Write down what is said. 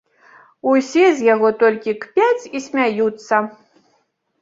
Усе з яго толькі кпяць і смяюцца.